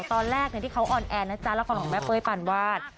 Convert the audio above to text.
ตอนแรกที่เขาออนแอร์นะจ๊ะละครของแม่เป้ยปานวาด